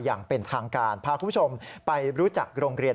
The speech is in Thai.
อย่างเป็นทางการพาคุณผู้ชมไปรู้จักโรงเรียน